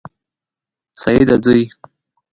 سیده ځئ